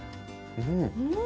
うん！